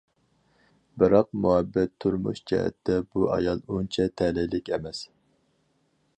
بىراق مۇھەببەت تۇرمۇش جەھەتتە، بۇ ئايال ئۇنچە تەلەيلىك ئەمەس.